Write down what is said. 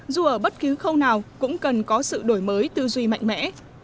dù ở bất cứ khâu nào cũng cần có sự đổi mới tư duy mạnh mẽ